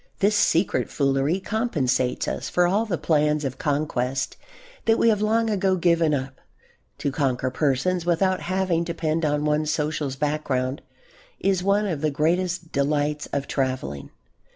This secret foolery compensates us for all the plans of conquest that we have long ago given up. To conquer persons without having to depend on one's social background is one of the greatest delights of travelling.